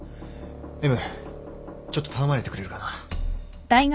Ｍちょっと頼まれてくれるかな？